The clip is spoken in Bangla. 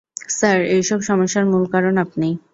স্যার, এই সব সমস্যার মূল কারণ আপনি।